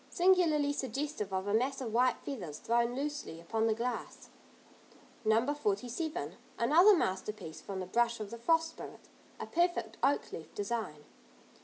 Singularly suggestive of a mass of white feathers thrown loosely upon the glass. No. 47. Another masterpiece from the brush of the Frost Spirit, a perfect oak leaf design.